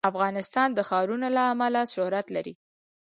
افغانستان د ښارونه له امله شهرت لري.